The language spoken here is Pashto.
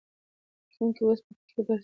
ښوونکي اوس په پښتو درس ورکوي.